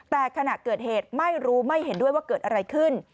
แต่ขณะเกิดเหตุไม่รู้ไม่เห็นด้วยว่าเกิดอะไรขึ้น